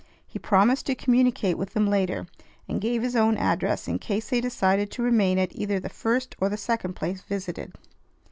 He promised to communicate with them later, and gave his own address in case they decided to remain at either the first or the second place visited.